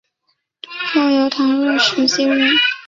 后由唐若时接任。